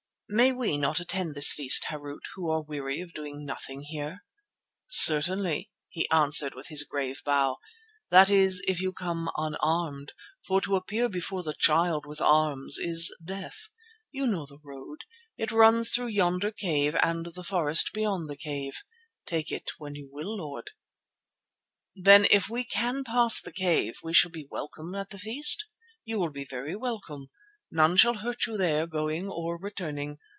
"May we not attend this feast, Harût, who are weary of doing nothing here?" "Certainly," he answered with his grave bow. "That is, if you come unarmed; for to appear before the Child with arms is death. You know the road; it runs through yonder cave and the forest beyond the cave. Take it when you will, Lord." "Then if we can pass the cave we shall be welcome at the feast?" "You will be very welcome. None shall hurt you there, going or returning.